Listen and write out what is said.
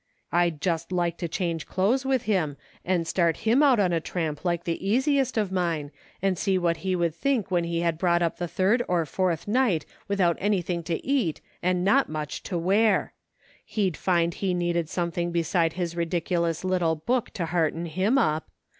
" I'd just like to change clothes with him, and start him out on a tramp like the easiest of mine, and see what he would think when he had brought up the third or fourth night without any thing to eat and not much to wear ! He'd find he needed something beside his ridiculous little book to hearten him up.